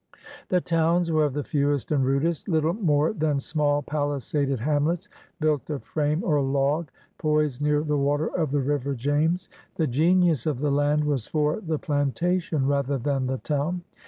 The "towns" were of the fewest and rudest — little more than small palisaded hamlets, built of frame or log, poised near the water of the river James. The genius of the land was for the planta tion rather than the town.